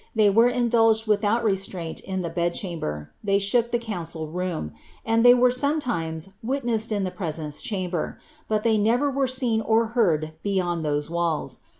They were indulged without restraint in the bed<hamber, they shook the council room, and they were sometimes witnessed in the presence chamber, but they never were seen or heard heyond those walls.